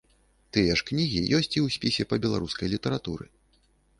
Тыя ж кнігі ёсць і ў спісе па беларускай літаратуры.